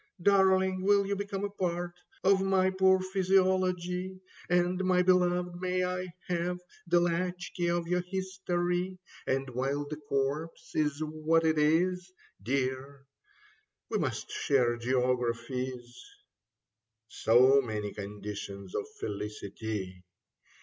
" DarUng, will you become a part Of my poor physiology ? And, my beloved, may I have The latchkey of your history ? And while this corpse is what it is Dear, we must share geographies." So many conditions of felicity.